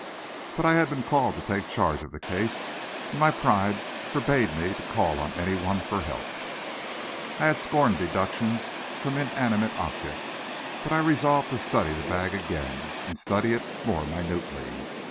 But I had been called to take charge of the case, and my pride forbade me to call on any one for help. I had scorned deductions from inanimate objects, but I resolved to study that bag again, and study it more minutely.